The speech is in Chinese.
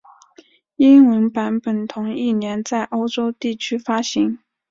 英文版本于同一年在欧洲地区发行。